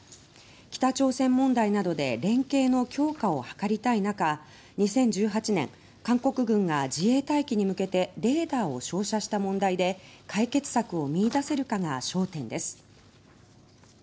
北朝鮮問題などで連携の強化を図りたいなか２０１８年韓国軍が自衛隊機に向けてレーダーを照射した問題で解決策を見いだせるかが焦点です。